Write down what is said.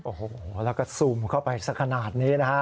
โอ้โหแล้วก็ซูมเข้าไปสักขนาดนี้นะฮะ